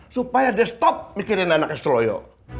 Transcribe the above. supaya dia stop mikirin anaknya si royo